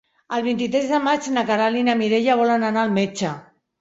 El vint-i-tres de maig na Queralt i na Mireia volen anar al metge.